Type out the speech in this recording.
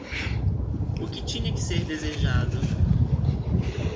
O que tinha que ser desejado?